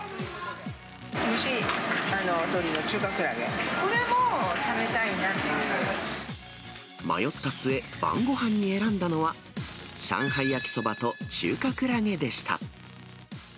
蒸し鶏の中華クラゲと、迷った末、晩ごはんに選んだのは、上海焼きそばと中華クラゲでした。